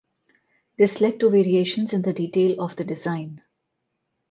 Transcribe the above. This led to variations in the detail of the design.